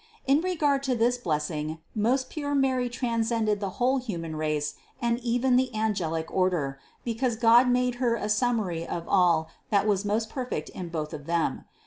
In re gard to this blessing most pure Mary transcended the whole human and even the angelic order, because God made Her a summary of all that was most perfect in both of them.